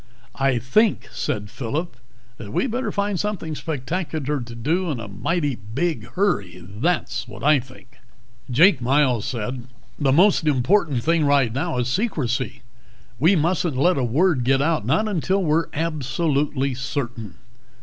"I think," said Phillip, "that we'd better find something spectacular to do in a mighty big hurry. That's what I think." Jake Miles said, "The most important thing right now is secrecy. We mustn't let a word get out, not until we're absolutely certain."